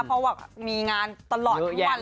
เพราะว่ามีงานตลอดทั้งวัน